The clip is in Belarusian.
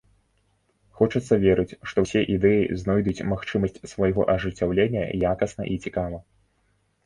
Хочацца верыць, што ўсе ідэі знойдуць магчымасць свайго ажыццяўлення якасна і цікава.